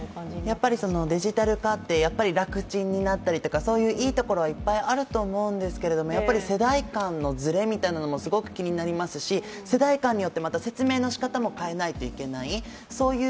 デジタル化って楽ちんになったりとかいいところはいっぱいあると思うんですけれども世代間のずれみたいなものもすごく気になりますし世代間によって説明の仕方も変えないといけない。